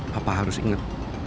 papa harus ingat